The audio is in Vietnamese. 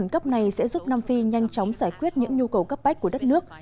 cấp này sẽ giúp nam phi nhanh chóng giải quyết những nhu cầu cấp bách của đất nước